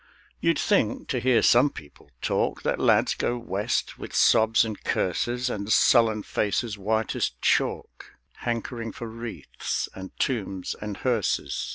You'd think, to hear some people talk, That lads go West with sobs and curses, And sullen faces white as chalk, Hankering for wreaths and tombs and hearses.